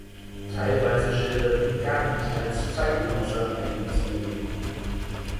Teilweise schildert Wigand als Zeitgenosse eigenes Erleben.